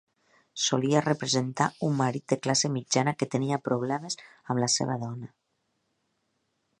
Solia representar un marit de classe mitjana que tenia problemes amb la seva dona.